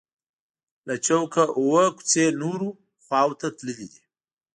له چوکه اووه کوڅې نورو خواو ته تللي دي.